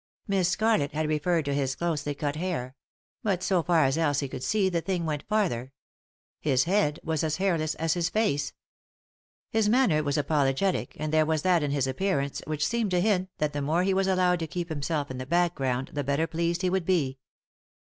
Miss Scarlett had referred to his closely cut hair ; but so far as Elsie could see the thing went farther; his head was as hairless as his face. 119 3i 9 iii^d by Google THE INTERRUPTED KISS His manner was apologetic, and there was that in his appearance which seemed to hint that the more be was allowed to keep himself in the background the better pleased he would be.